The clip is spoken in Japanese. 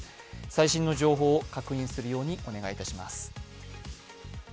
最新の情報を確認するようにお願いいたします。